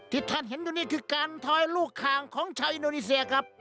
ที่ท่านเห็นอยู่นี่คือการทอยลูกคางของชาวอินโดนีเซียครับ